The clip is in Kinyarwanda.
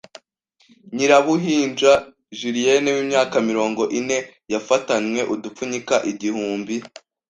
Nyirabuhinja Julienne w’imyaka mirongo ine yafatanwe udupfunyika igihumbi